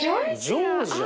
ジョージア！